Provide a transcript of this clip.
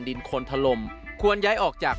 ดินโคลทะลมควรย้ายออกจาก